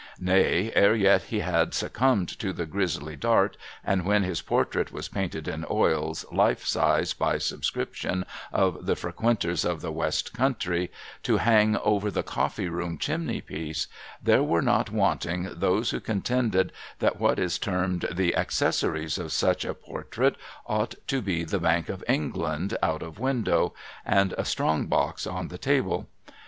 Nay, ere yet he had succumbed to the grisly dart, and when his portrait was painted in oils life size, by subscription of the frequenters of the West Country, to hang over the coffee room chimney piece, there were not wanting those who contended that what is termed the accessories of such a portrait ought to be the Bank of England out of window, and a strong box on the table.